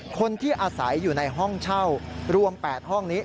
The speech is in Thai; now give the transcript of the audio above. คนที่อาศัยอยู่ในห้องเช่ารวม๘ห้องนี้